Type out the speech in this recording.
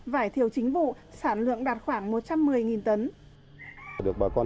vải thiều chính vụ sản lượng đạt khoảng một trăm một mươi tấn